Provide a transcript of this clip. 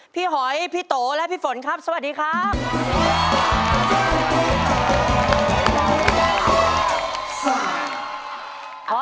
หอยพี่โตและพี่ฝนครับสวัสดีครับ